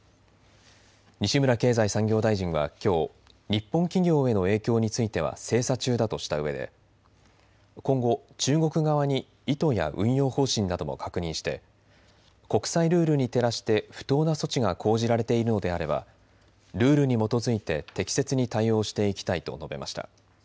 西村経済産業大臣はきょう日本企業への影響については精査中だとしたうえで今後、中国側に意図や運用方針なども確認して国際ルールに照らして不当な措置が講じられているのであればルールに基づいて適切に対応していきたいと述べました。